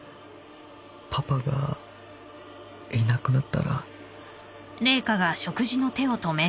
パパがいなくなったら。